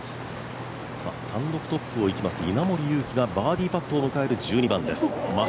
単独トップ・稲森佑貴がバーディーパットを迎える１２番です。